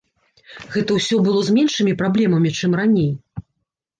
Гэта ўсё было з меншымі праблемамі, чым раней.